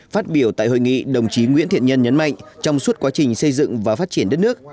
phát biểu tại hội nghị đồng chí nguyễn thiện nhân nhấn mạnh trong suốt quá trình xây dựng và phát triển đất nước